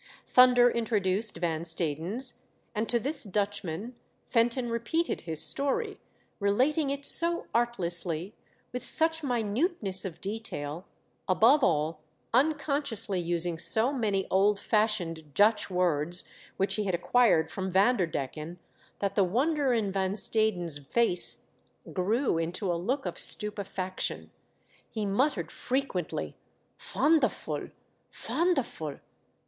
Thunder introduced Van Stadens, and to this Dutchman Fenton repeated his story, relating it so artlessly, with such minuteness of detail, above all unconsciously using so many old fashioned Dutch words, which he had acquired from Vanderdecken, that the wonder in Van Stadens' face grew into a look of stupefaction. He muttered, frequently, "Fonderful! fonderful!